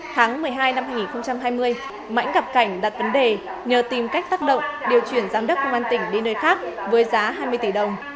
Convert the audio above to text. tháng một mươi hai năm hai nghìn hai mươi mãnh gặp cảnh đặt vấn đề nhờ tìm cách tác động điều chuyển giám đốc công an tỉnh đi nơi khác với giá hai mươi tỷ đồng